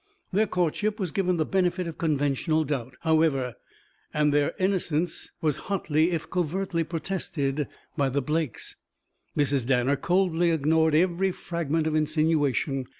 Their courtship was given the benefit of conventional doubt, however, and their innocence was hotly if covertly protested by the Blakes. Mrs. Danner coldly ignored every fragment of insinuation.